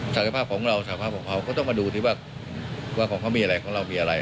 ศักยภาพของเราสภาพของเขาก็ต้องมาดูสิว่าของเขามีอะไรของเรามีอะไร